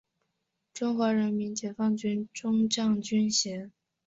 中国人民解放军中将军衔。